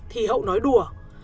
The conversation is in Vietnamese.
thì hậu nói đùa